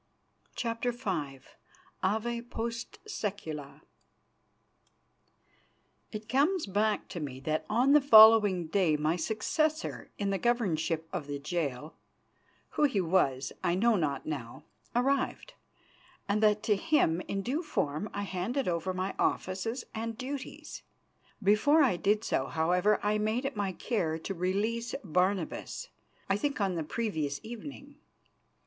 CHAPTER V AVE POST SECULA It comes back to me that on the following day my successor in the governorship of the jail, who he was I know not now, arrived, and that to him in due form I handed over my offices and duties. Before I did so, however, I made it my care to release Barnabas, I think on the previous evening.